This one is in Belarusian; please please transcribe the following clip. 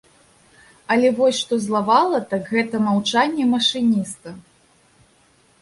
Але вось што злавала, так гэта маўчанне машыніста.